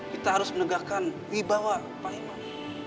kita harus menegakkan wibawa pak iman